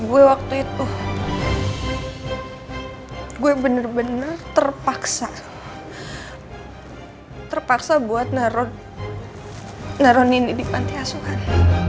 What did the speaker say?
gue waktu itu gue bener bener terpaksa terpaksa buat naruh naruh nini di pantiasuhan